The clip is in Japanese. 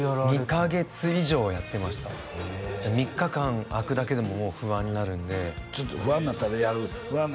２カ月以上やってましたへえ３日間空くだけでももう不安になるんでちょっと不安になったらやる不安